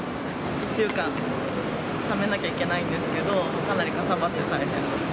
１週間ためなきゃいけないんですけど、かなりかさばって大変です。